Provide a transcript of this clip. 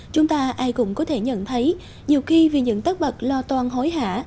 chúng ta ai cũng có thể nhận thấy nhiều khi vì những tất bật lo toan hối hả